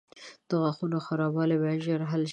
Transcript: • د غاښونو خرابوالی باید ژر حل شي.